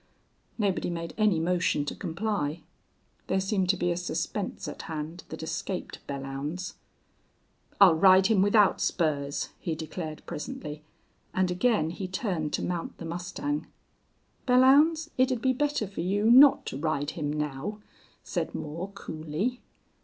Nobody made any motion to comply. There seemed to be a suspense at hand that escaped Belllounds. "I'll ride him without spurs," he declared, presently, and again he turned to mount the mustang. "Belllounds, it'd be better for you not to ride him now," said Moore, coolly.